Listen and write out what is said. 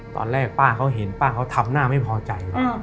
ตอนแรกป้าเขาเห็นป้าเขาทำหน้าไม่พอใจ